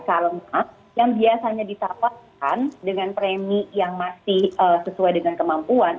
karena yang biasanya disawarkan dengan premi yang masih sesuai dengan kemampuan